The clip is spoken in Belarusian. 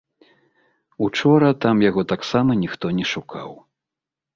Учора там яго таксама ніхто не шукаў.